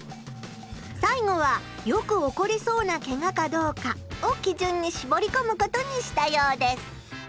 さいごはよく起こりそうなケガかどうかをきじゅんにしぼりこむことにしたようです。